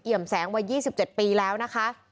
เอี่ยมแสงวัน๒๗ปีแล้วนะคะ